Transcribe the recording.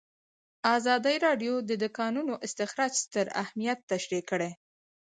ازادي راډیو د د کانونو استخراج ستر اهميت تشریح کړی.